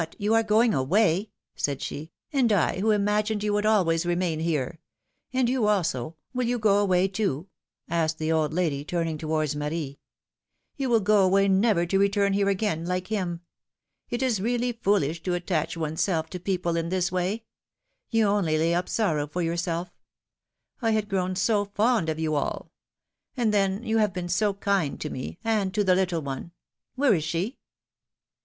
you are going away?" said she. ^^And I, who imagined you would always remain here! And you, also — will you go away, too?" added the old lady, turning towards Marie. You will go away never to return here again, like him. It is really foolish to attach one's self to people in this way; you only lay up sorrow for yourself — I had grown so fond of you all ! And, then, you have been so kind to me, and to the little one! Where is she?"